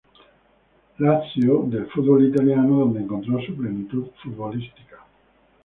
Lazio del fútbol italiano donde encontró su plenitud futbolística.